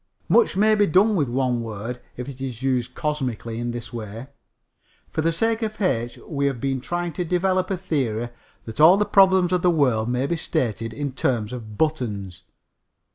Much may be done with one word if it be used cosmically in this way. For the sake of H. we have been trying to develop a theory that all the problems of the world may be stated in terms of buttons.